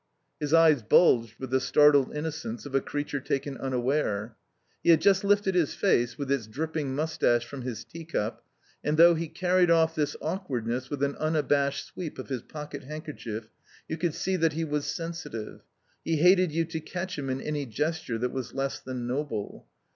His eyes bulged with the startled innocence of a creature taken unaware. He had just lifted his face, with its dripping moustache, from his teacup, and though he carried off this awkwardness with an unabashed sweep of his pocket handkerchief, you could see that he was sensitive; he hated you to catch him in any gesture that was less than noble.